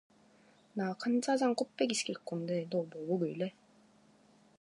난 간짜장 곱빼기 시킬 건데, 넌 뭐 먹을래?